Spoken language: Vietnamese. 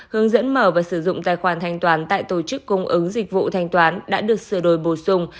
hướng dẫn mở và sử dụng tài khoản thanh toán tại tổ chức cung ứng dịch vụ thanh toán đã được sửa đổi bổ sung